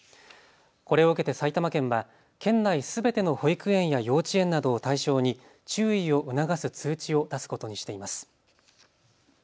これを受けて埼玉県は県内すべての保育園や幼稚園などを対象に注意を促す通知を出すことにしています。